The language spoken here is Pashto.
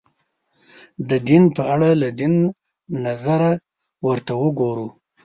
د دین په اړه له دین نظره ورته وګورو